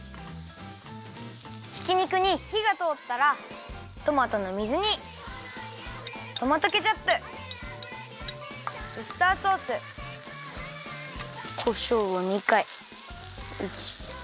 ひき肉にひがとおったらトマトの水煮トマトケチャップウスターソースこしょうを２かい。